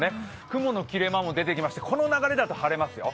雲の切れ間も出てきましてこの流れだと晴れますよ。